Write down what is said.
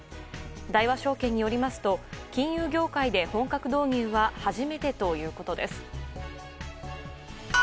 大和証券によりますと金融業界で本格導入は初めてということです。